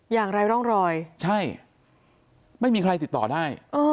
อย่างไร้ร่องรอยใช่ไม่มีใครติดต่อได้